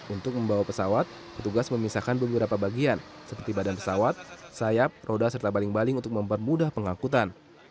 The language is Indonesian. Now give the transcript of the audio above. untuk membawa pesawat petugas memisahkan beberapa bagian seperti badan pesawat sayap roda serta baling baling untuk mempermudah pengangkutan